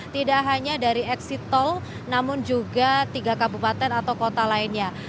tidak hanya dari eksit tol namun juga tiga kabupaten atau kota lainnya